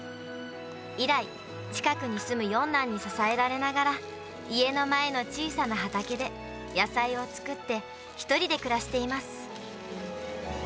以来、近くに住む四男に支えられながら、家の前の小さな畑で野菜を作って、１人で暮らしています。